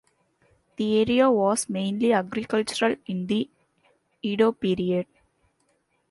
The area was mainly agricultural in the Edo period.